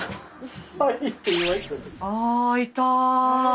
あ開いた。